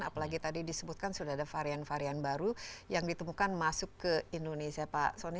apalagi tadi disebutkan sudah ada varian varian baru yang ditemukan masuk ke indonesia pak soni